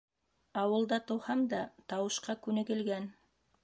Ауылда тыуһам да, тауышҡа күнегелгән.